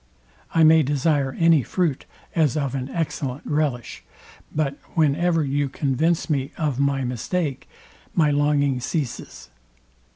I may desire any fruit as of an excellent relish; but whenever you convince me of my mistake, my longing ceases.